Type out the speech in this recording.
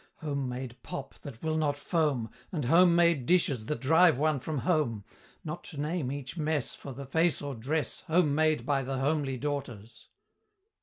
Home made pop that will not foam, And home made dishes that drive one from home, Not to name each mess, For the face or dress, Home made by the homely daughters?